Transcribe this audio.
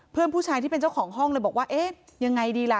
เพื่อนผู้ชายที่เป็นเจ้าของห้องเลยบอกว่าเอ๊ะยังไงดีล่ะ